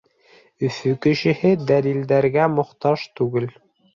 Өфө кешеһе дәлилдәргә мохтаж түгел.